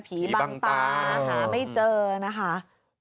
บางตาหาไม่เจอนะคะ